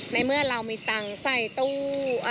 ในเมื่อเรามีตังค์ใส่ตู้